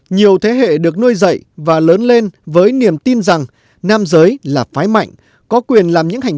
nhiều thế hệ được nuôi dạy và lớn lên với niềm tin rằng nam giới là phái mạnh có quyền làm những hành